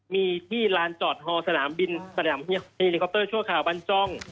มีที่ลานจอดฮอลสนามบินสนามเฮลิคอปเตอร์ชั่วคราวบ้านจ้อง